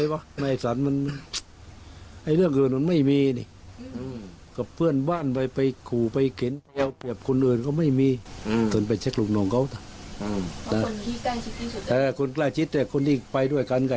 ตอนเช้าก็นั่งกลัวอยู่มันมีอะไรวะ